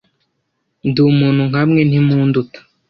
ndi umuntu nkamwe, ntimunduta